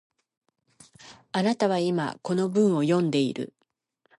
あなたは今、この文を読んでいる